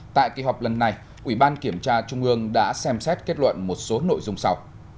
tại kỳ họp lần này ủy ban kiểm tra trung ương đã xem xét kết luận một số nội dung sau